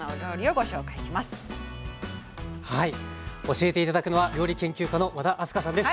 教えて頂くのは料理研究家の和田明日香さんです。